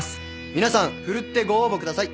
皆さん奮ってご応募ください。